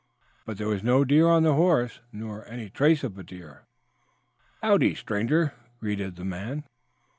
But there was no deer on the horse, nor any trace of a deer. "Howdy, stranger," greeted the man.